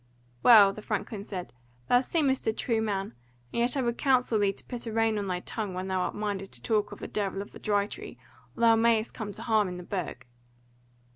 "Well," the Franklin said, "thou seemest a true man, and yet I would counsel thee to put a rein on thy tongue when thou art minded to talk of the Devil of the Dry Tree, or thou mayst come to harm in the Burg."